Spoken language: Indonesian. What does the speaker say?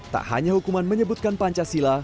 tak hanya hukuman menyebutkan pancasila